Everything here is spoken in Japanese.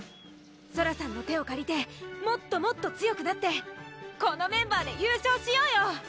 ソラさんの手をかりてもっともっと強くなってこのメンバーで優勝しようよ！